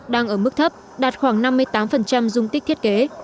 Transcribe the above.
đang ở mức thấp đạt khoảng năm mươi tám dung tích thiết kế